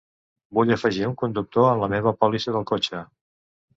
vull afegir un conductor en la meva pòlissa del cotxe.